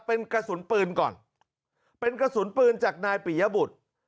เป็นกระสุนปืนก่อนเป็นกระสุนปืนจากนายปิยบุตร